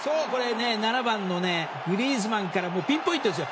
７番のグリーズマンからピンポイントですよ。